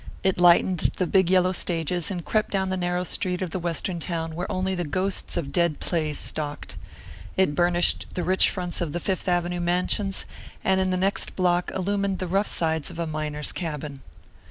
It lightened the big yellow stages and crept down the narrow street of the Western town where only the ghosts of dead plays stalked. It burnished the rich fronts of the Fifth Avenue mansions and in the next block illumined the rough sides of a miner's cabin.